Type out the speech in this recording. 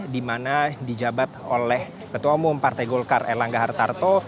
dimana dijabat oleh ketua umum partai golkar elangga hartarto